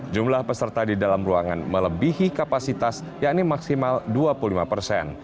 jumlah peserta di dalam ruangan melebihi kapasitas yakni maksimal dua puluh lima persen